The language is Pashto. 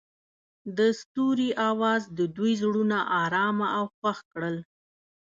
د ستوري اواز د دوی زړونه ارامه او خوښ کړل.